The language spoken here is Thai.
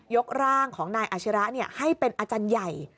กร่างของนายอาชิระให้เป็นอาจารย์ใหญ่